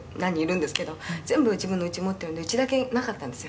「全部自分の家持ってるんでうちだけなかったんですよ」